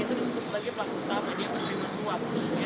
itu disebut sebagai pelaku utama dia melakukan masuap